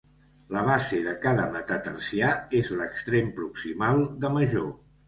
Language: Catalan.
La base de cada metatarsià és l'extrem proximal de major.